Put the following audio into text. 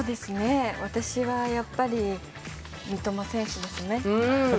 私はやっぱり三笘選手ですね。